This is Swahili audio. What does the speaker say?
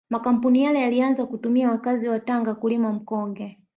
Makampuni yale yalianza kutumia wakazi wa Tanga kulima mkonge